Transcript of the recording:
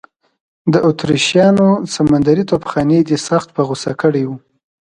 د اتریشیانو سمندري توپخانې دی سخت په غوسه کړی و.